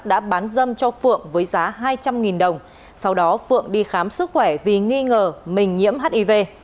đã bán dâm cho phượng với giá hai trăm linh đồng sau đó phượng đi khám sức khỏe vì nghi ngờ mình nhiễm hiv